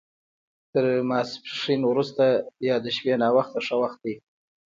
تر ماسپښین وروسته یا د شپې ناوخته ښه وخت دی.